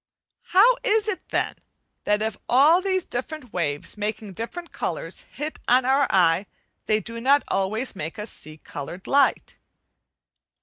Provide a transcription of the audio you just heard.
How is it then, that if all these different waves making different colours, hit on our eye, they do not always make us see coloured light?